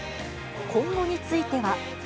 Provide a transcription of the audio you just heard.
今後については。